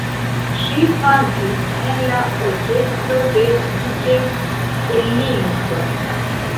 Ŝi kantis en la orkestro de Duke Ellington.